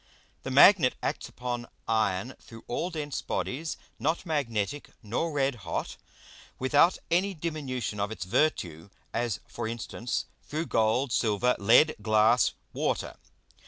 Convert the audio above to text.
The Magnet acts upon Iron through all dense Bodies not magnetick nor red hot, without any diminution of its Virtue; as for instance, through Gold, Silver, Lead, Glass, Water.